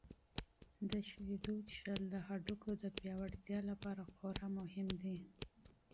د شیدو څښل د هډوکو د پیاوړتیا لپاره خورا مهم دي.